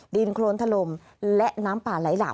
ดินโครนถล่มและน้ำป่าไหลหลาก